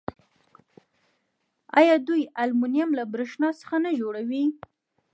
آیا دوی المونیم له بریښنا څخه نه جوړوي؟